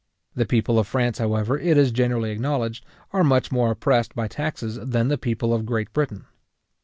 The people of France, however, it is generally acknowledged, are much more oppressed by taxes than the people of Great Britain.